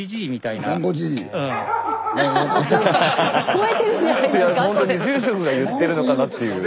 いやほんとに住職が言ってるのかなっていう。